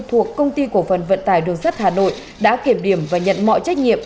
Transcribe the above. thuộc công ty cổ phần vận tải đường sắt hà nội đã kiểm điểm và nhận mọi trách nhiệm